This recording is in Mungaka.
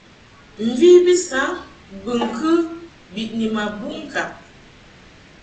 Mvi bi saŋ bɨŋkɨ biʼni ma buʼ ŋkaʼ.